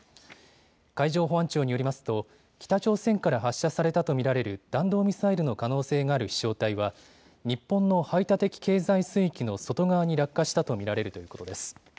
海上保安庁によりますと北朝鮮から発射されたと見られる弾道ミサイルの可能性がある飛しょう体は日本の排他的経済水域の外側に落下したと見られるということです。